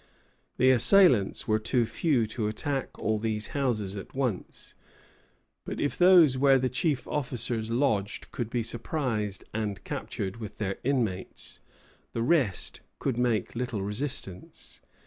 ] The assailants were too few to attack all these houses at once; but if those where the chief officers lodged could be surprised and captured with their inmates, the rest could make little resistance.